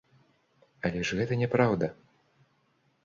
Але ж гэта няпраўда!